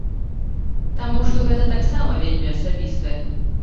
Таму што гэта таксама вельмі асабістае.